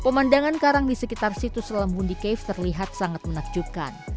pemandangan karang di sekitar situs selam wundi cave terlihat sangat menakjubkan